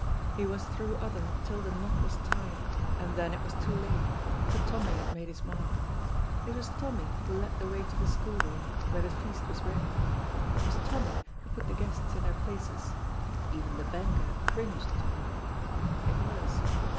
he was through other till the knot was tied, and then it was too late, for Tommy had made his mark. It was Tommy who led the way to the school room, where the feast was ready, it was Tommy who put the guests in their places (even the banker cringed to him), it was.